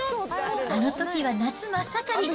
あのときは夏真っ盛り。